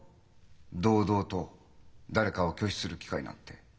堂々と誰かを拒否する機会なんて。